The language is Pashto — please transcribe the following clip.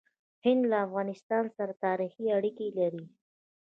هند له افغانستان سره تاریخي اړیکې لري.